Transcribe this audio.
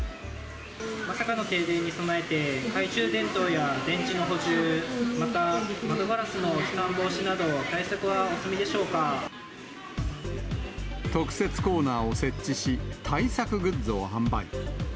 まさかの停電に備えて、懐中電灯や電池の補充、また窓ガラスの飛散防止など、特設コーナーを設置し、対策グッズを販売。